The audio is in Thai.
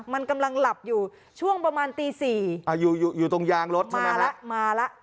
มันกำลังหลับอยู่ช่วงประมาณตีสี่อ่าอยู่อยู่ตรงยางรถใช่ไหมมาแล้วมาแล้ว